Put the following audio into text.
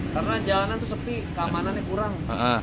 karena jalanan itu sepi keamanannya kurang